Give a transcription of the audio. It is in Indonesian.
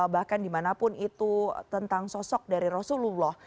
bahkan dimanapun itu tentang sosok dari rasulullah